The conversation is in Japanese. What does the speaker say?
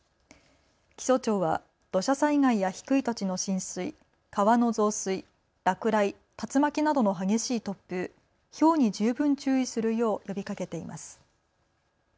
気象庁は土砂災害や低い土地の浸水、川の増水、落雷、竜巻などの激しい突風、ひょうに十分注意するよう呼びかけています。